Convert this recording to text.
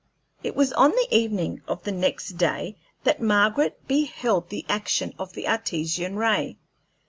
It was on the evening of the next day that Margaret beheld the action of the Artesian ray.